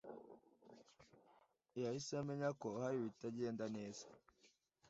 yahise amenya ko hari ibitagenda neza